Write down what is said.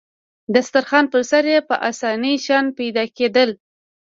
د دسترخوان پر سر يې په اسانۍ شیان پیدا کېدل.